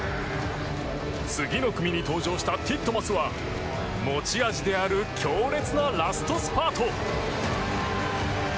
次の組に登場したティットマスは持ち味である強烈なラストスパート。